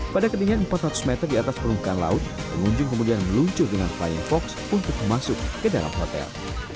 pada ketinggian empat ratus meter di atas permukaan laut pengunjung kemudian meluncur dengan flying fox untuk masuk ke dalam hotel